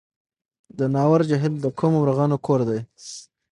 د ناور جهیل د کومو مرغانو کور دی؟